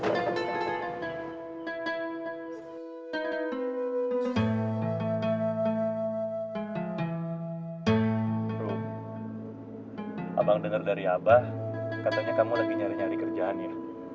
ruh abang dengar dari abah katanya kamu lagi nyari nyari kerjaan ya